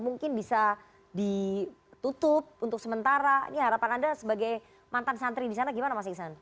mungkin bisa ditutup untuk sementara ini harapan anda sebagai mantan santri di sana gimana mas iksan